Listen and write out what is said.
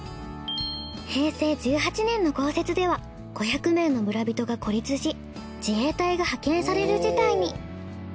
平成１８年の豪雪では５００名の村人が孤立し自衛隊が派遣される事態に。